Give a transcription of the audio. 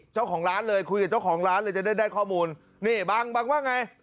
เจ้าของร้านเลยคุยกับเจ้าของร้านเลยจะได้ข้อมูลนี่บังบังว่าไง